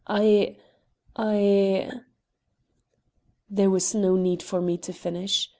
I I " There was no need for me to finish.